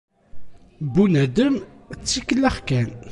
Bunadem, d tikellax kan.